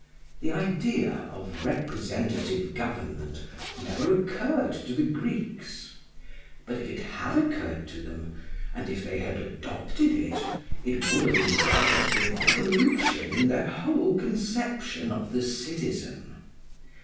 The idea of representative government never occurred to the Greeks; but if it had occurred to them, and if they had adopted it, it would have involved a revolution in their whole conception of the citizen.